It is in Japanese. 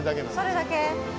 それだけ。